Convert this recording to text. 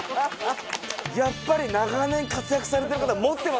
やっぱり長年活躍されてる方は持ってますよ。